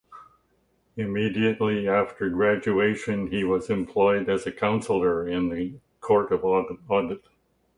Immediately after graduation, he was employed as a councillor in the Court of Audit.